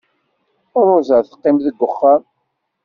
Ṛuza teqqim deg wexxam.